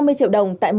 tại một công ty